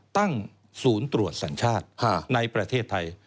ตั้งศูนย์ตรวจสัญชาติในประเทศไทย